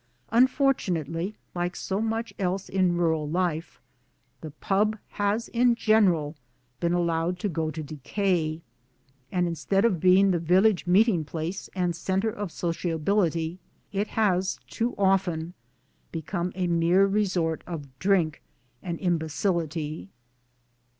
Unfortunately, like so much else in rural life, the Pub. has in general been allowed to go to decay ; and instead of being] the village meeting place and centre of sociability it has too often become a mere resort of drink and imbecility.